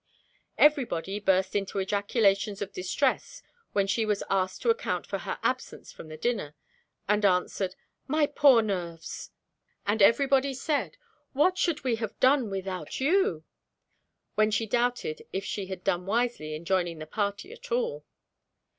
Every body burst into ejaculations of distress when she was asked to account for her absence from the dinner, and answered, "My poor nerves." Every body said, "What should we have done without you!" when she doubted if she had done wisely in joining the party at all.